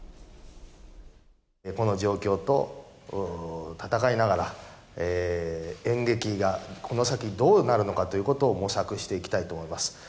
この状況と闘いながら、演劇がこの先どうなるのかということを模索していきたいと思います。